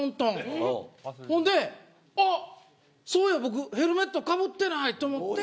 ほんで、そういえばヘルメットかぶってないと思って。